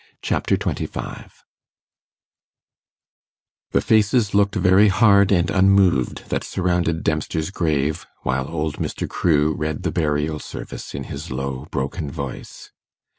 Chapter 25 The faces looked very hard and unmoved that surrounded Dempster's grave, while old Mr. Crewe read the burial service in his low, broken voice.